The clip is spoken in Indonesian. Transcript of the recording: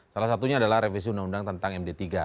salah satunya adalah revisi undang undang tentang md tiga